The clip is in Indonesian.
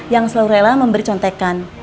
yang selalu rela memberi contekan